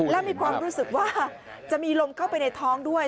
และมีความรู้สึกว่าจะมีลมเข้าไปในท้องด้วย